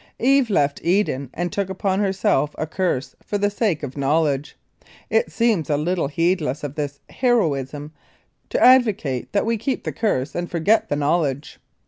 Eve left Eden and took upon herself a curse for the sake of knowledge. It seems a little heedless of this heroism to advocate that we keep the curse and forget the knowledge.